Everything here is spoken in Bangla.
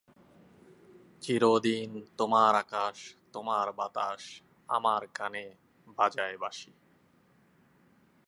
তার রচিত বহু গ্রন্থ বিভিন্ন বিশ্ববিদ্যালয়ের বাংলা বিভাগে স্নাতক ও স্নাতকোত্তর স্তরের সহায়ক গ্রন্থ হিসাবে নির্বাচিত হয়েছে।